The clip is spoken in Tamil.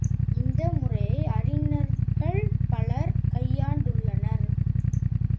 இந்த முறையை அறிஞர்கள் பலர் கையாண்டுள்ளனர்.